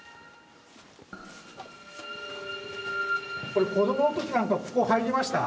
これ子どもの時なんかここ入りました？